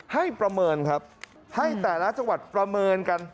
ประเมินครับให้แต่ละจังหวัดประเมินกัน